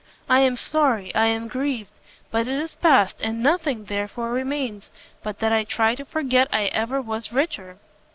I am sorry, I am grieved! but it is past, and nothing, therefore, remains, but that I try to forget I ever was richer!"